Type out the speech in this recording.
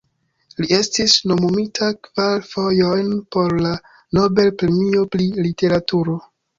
Li estis nomumita kvar fojojn por la Nobel-premio pri literaturo.